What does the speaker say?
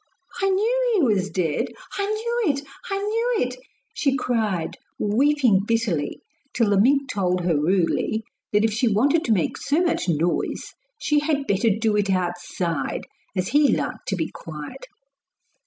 'I knew he was dead I knew it! I knew it!' she cried, weeping bitterly, till the mink told her rudely that if she wanted to make so much noise she had better do it outside as he liked to be quiet.